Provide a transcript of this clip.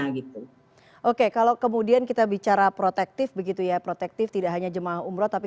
gitu oke kalau kemudian kita bicara protektif begitu ya protektif tidak hanya jemaah umroh tapi